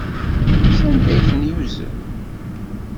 Sanda ay ten-yuzen?